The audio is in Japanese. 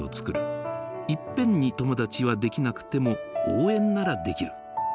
いっぺんに友達は出来なくても応援ならできる。